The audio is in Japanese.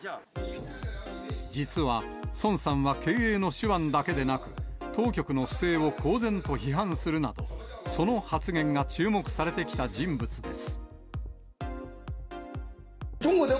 実は、孫さんは経営の手腕だけでなく、当局の不正を公然と批判するなど、その発言が注目されてきた人物です。